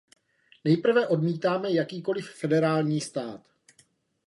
Nejprve odmítáme jakýkoliv federální stát.